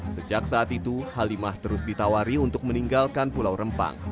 sejak saat itu halimah terus ditawari untuk meninggalkan pulau rempang